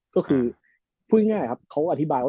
ก็คือพูดง่ายครับเขาอธิบายว่า